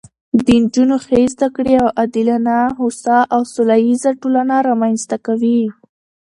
د نجونو ښې زده کړې یوه عادلانه، هوسا او سوله ییزه ټولنه رامنځته کوي